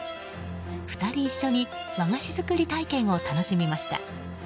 ２人一緒に和菓子作り体験を楽しみました。